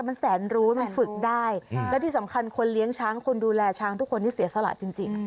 มันแสนรู้มันฝึกได้และที่สำคัญคนเลี้ยงช้างคนดูแลช้างทุกคนที่เสียสละจริง